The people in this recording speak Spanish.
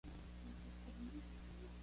Ahora pueden verse en "Youtube".